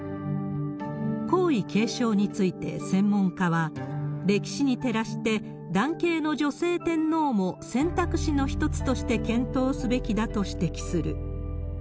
皇位継承について、専門家は、歴史に照らして、男系の女性天皇も選択肢の一つとして検討すべきだと指摘する。